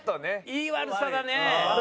いい悪さだね。